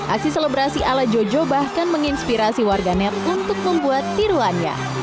aksi selebrasi ala jojo bahkan menginspirasi warga net untuk membuat tiruannya